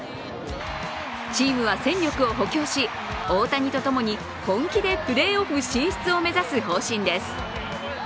チームは戦力を補強し大谷とともに本気でプレーオフ進出を目指す方針です。